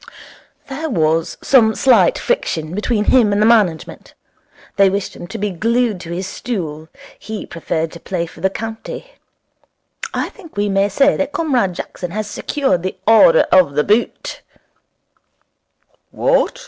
'There was some slight friction between him and the management. They wished him to be glued to his stool; he preferred to play for the county. I think we may say that Comrade Jackson has secured the Order of the Boot.' 'What?